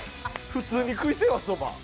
普通に食いてえわ、そば。